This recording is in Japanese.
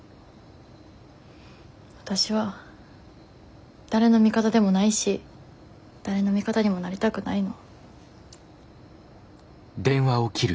わたしは誰の味方でもないし誰の味方にもなりたくないの。